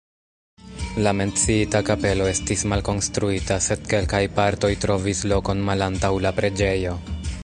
La menciita kapelo estis malkonstruita, sed kelkaj partoj trovis lokon malantaŭ la preĝejo.